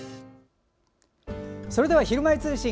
それでは「ひるまえ通信」